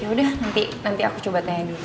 ya udah nanti aku coba tanya dia